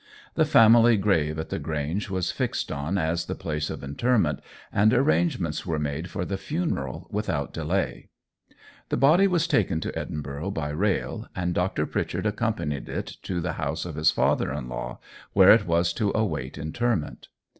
The family grave at the Grange was fixed on as the place of interment, and arrangements were made for the funeral without delay. The body was taken to Edinburgh by rail, and Dr. Pritchard accompanied it to the house of his father in law, where it was to await interment.